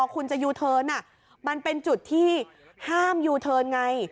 คุณจะยูเทิร์นมันเป็นจุดที่ห้ามยูเทิร์นไง